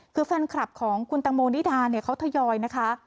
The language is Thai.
คือแฟนคลับของคุณตะโมนิดาเขาถยอยนะคะ